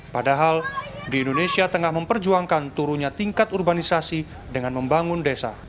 padahal di indonesia tengah memperjuangkan turunnya tingkat urbanisasi dengan membangun desa